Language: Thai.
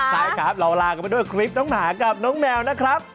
ใช่ครับเราลากันไปด้วยคลิปน้องหนากับน้องแมวนะครับ